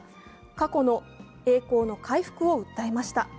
過去の栄光の回復を訴えました。